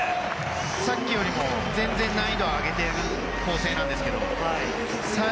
さっきよりも全然、難易度上げている構成なんですけど。